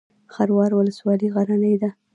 خروار ولسوالۍ غرنۍ ده؟